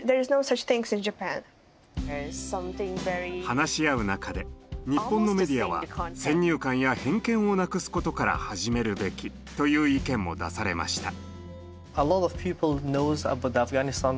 話し合う中で「日本のメディアは先入観や偏見をなくすことから始めるべき」という意見も出されました。